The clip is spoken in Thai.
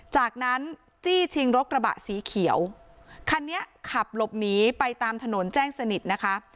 จากนั้นจี้ชิงรถกระบะสีเขียวคันนี้ขับหลบหนีไปตามถนนแจ้งสนิทนะคะ